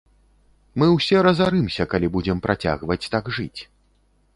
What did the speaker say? Мы ўсе разарымся, калі будзем працягваць так жыць.